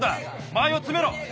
まあいをつめろ。